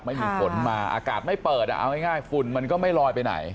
ไม่มีฝนมาอากาศไม่เปิดอ่ะเอาง่ายฝุ่นมันก็ไม่ลอยไปไหน